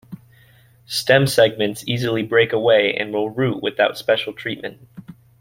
Stem segments easily break away and will root without special treatment.